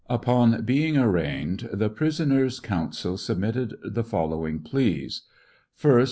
] Upon being arraigned, the prisoner's counsel submitted the following pleas : 1st.